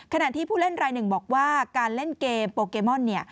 ขณะที่ผู้เล่นรายหนึ่งบอกว่าการเล่นเกมโปเกมอนเนี่ย